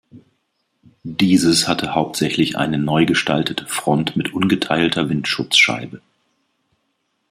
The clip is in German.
Dieses hatte hauptsächlich eine neu gestaltete Front mit ungeteilter Windschutzscheibe.